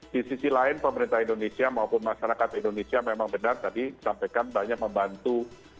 di sisi lain pemerintah indonesia maupun masyarakat indonesia memang benar tadi sampaikan banyak membantu